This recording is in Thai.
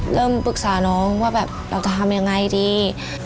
เริ่มปรึกษาน้องว่าแบบเราจะทำยังไงดี